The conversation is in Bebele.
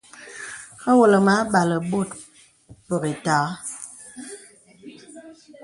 Awɔ̄lə̀ mə âbalə̀ bòt pək ìtagha.